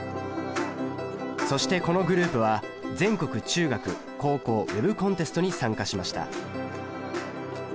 そしてこのグループは全国中学高校Ｗｅｂコンテストに参加しました。